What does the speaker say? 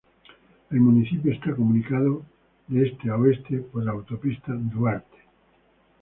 El municipio está comunicado de este a oeste por la Autopista Duarte.